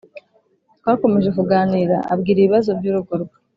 Twakomeje kuganira abwira ibibazo byurugo rwe